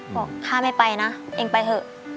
ข้าไม่ไปนะเองไปเถอะ